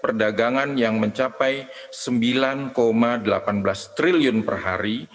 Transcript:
perdagangan yang mencapai sembilan delapan belas triliun per hari